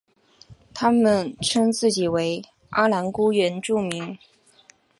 他们称自己为阿男姑原住民。